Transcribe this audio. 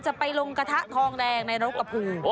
จะไปลงกระทะทองแดงในรกกระพู